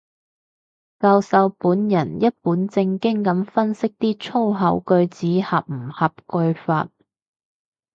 教授本人一本正經噉分析啲粗口句子合唔合句法